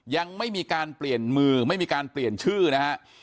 ยังไม่มีการเปลี่ยนมือไม่มีการเปลี่ยนชื่อนะฮะ